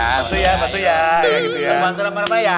bantu rame rame ya